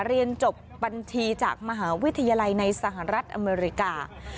เรียนจบบัญชีจากมหาวิทยาลัยในสหรัฐอเมริกา